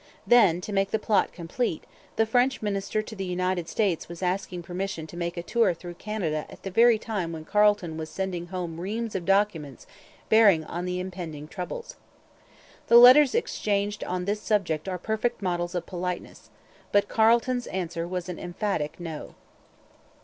Then, to make the plot complete, the French minister to the United States was asking permission to make a tour through Canada at the very time when Carleton was sending home reams of documents bearing on the impending troubles. The letters exchanged on this subject are perfect models of politeness. But Carleton's answer was an emphatic No.